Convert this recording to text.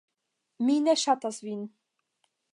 Mi ne ŝatas vin.